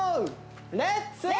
レッツ！